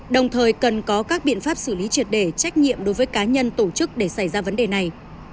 đồng thời cần có các biện pháp xử lý triệt đề trách nhiệm đối với cá nhân tổ chức để xảy ra vấn đề này